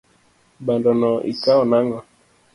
Bando no ikao nang'o?